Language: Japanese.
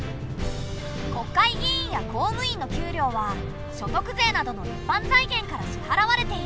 国会議員や公務員の給料は所得税などの一般財源から支払われている。